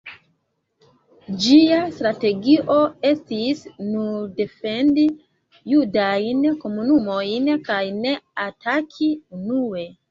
Ĝia strategio estis nur defendi judajn komunumojn kaj ne ataki unue.